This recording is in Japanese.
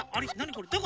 これ。